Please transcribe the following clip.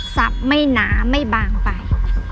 สับไม่หนาไม่บางไป